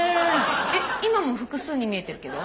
えっ今も複数に見えてるけど？